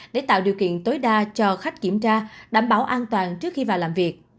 để tạo điều kiện tối đa cho khách kiểm tra đảm bảo an toàn trước khi vào làm việc